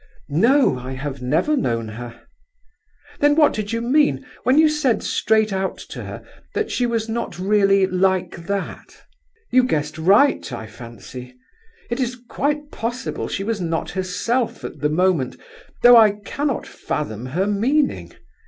"No, I have never known her." "Then what did you mean, when you said straight out to her that she was not really 'like that'? You guessed right, I fancy. It is quite possible she was not herself at the moment, though I cannot fathom her meaning.